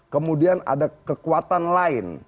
kemudian ada kekuatan lain